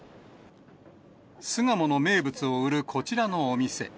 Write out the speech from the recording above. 巣鴨の名物を売るこちらのお店。